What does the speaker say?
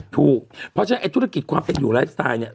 ถูกเพราะฉะนั้นไอ้ธุรกิจความเป็นอยู่ไลฟ์สไตล์เนี่ย